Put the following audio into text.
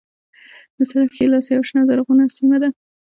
د سړک ښی لاس یوه شنه زرغونه سیمه ده.